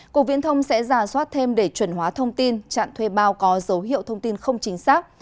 cục viễn thông sẽ giả soát thêm để chuẩn hóa thông tin chặn thuê bao có dấu hiệu thông tin không chính xác